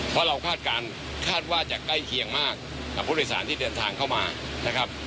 เพราะเราคาดการณ์คาดว่าจะใกล้เคียงมากกับผู้โดยสารที่เดินทางเข้ามานะครับ